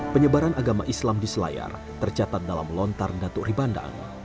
penyebaran agama islam di selayar tercatat dalam lontar datuk ribandang